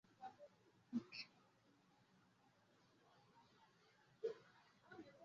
hanyuma habaho ibibazo byose biruducnaga